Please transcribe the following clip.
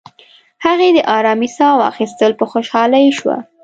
هغې د آرامی ساه واخیستل، په خوشحالۍ شوه.